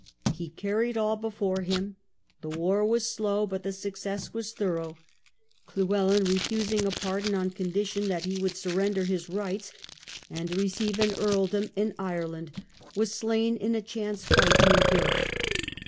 He carried all before him. The war was slow, but the success was thorough Llewellyn, refusing a pardon on condition WALES in the tinn; of Edward I. that he would surrender his rights and receive an earldom in Ireland, was slain in a chance fight near Builth.